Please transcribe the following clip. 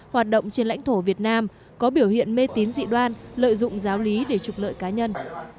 hoạt động trên lãnh thổ việt nam có biểu hiện mê tín dị đoan lợi dụng giáo lý để trục lợi cá nhân